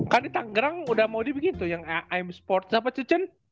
kan di tangerang udah mau dibikin tuh yang i m sport siapa cucen